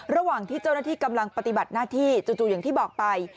ระหว่างที่เจ้าหน้าที่กำลังปฏิบัติหน้าที่จู่อย่างที่บอกไป